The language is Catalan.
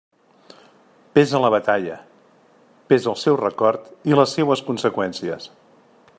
Pesa la Batalla, pesa el seu record i les seues conseqüències.